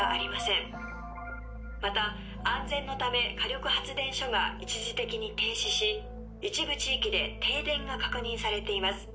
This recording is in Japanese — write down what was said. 「また安全のため火力発電所が一時的に停止し一部地域で停電が確認されています」